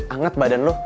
anget badan lu